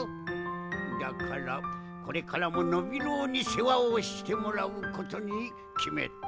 だからこれからもノビローにせわをしてもらうことにきめた。